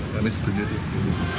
ini sebetulnya sih